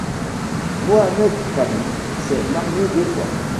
Mohamed Kamil s'est marié deux fois.